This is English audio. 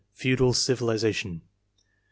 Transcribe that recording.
Feudal civilization .